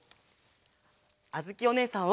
あづきおねえさんはむらさき！